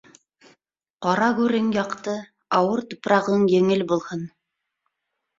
Ҡара гүрең яҡты, ауыр тупрағың еңел булһын!